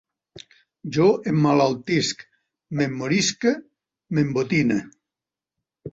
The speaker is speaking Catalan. Jo emmalaltisc, m'emmorisque, m'embotine